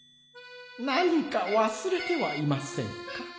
「なにかわすれてはいませんか？」。